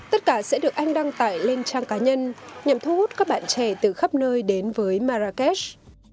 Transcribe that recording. tất cả sẽ được anh đăng tải lên trang cá nhân nhằm thu hút các bạn trẻ từ khắp nơi đến với marrakesh